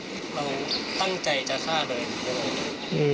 เราตั้งใจจะฆ่าเขา